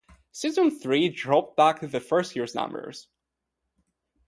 Season three dropped back to the first year's numbers.